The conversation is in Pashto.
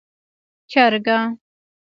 🐔 چرګه